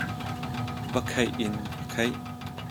Ba khaih in a khaih.